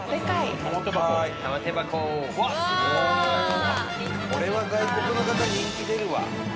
伊達：これは外国の方に人気出るわ。